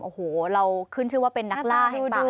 โอ้โหเราขึ้นชื่อว่าเป็นนักล่าแห่งป่า